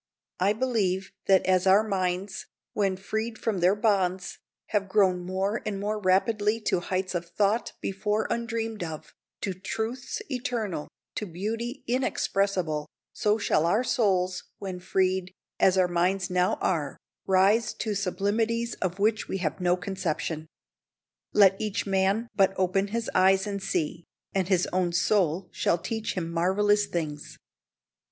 I believe that as our minds, when freed from their bonds, have grown more and more rapidly to heights of thought before undreamed of, to truths eternal, to beauty inexpressible, so shall our souls, when freed, as our minds now are, rise to sublimities of which now we have no conception. Let each man but open his eyes and see, and his own soul shall teach him marvellous things.